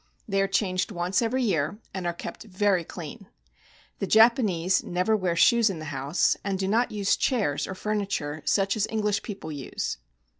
They are changed once every year, and are kept very clean. The Japanese never wear shoes in the house, and do not use chairs or furniture such as English people use.